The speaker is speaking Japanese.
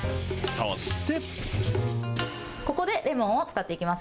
そして。